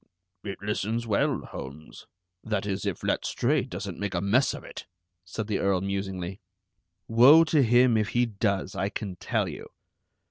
"It listens well, Holmes, that is, if Letstrayed doesn't make a mess of it," said the Earl musingly. "Woe to him if he does, I can tell you."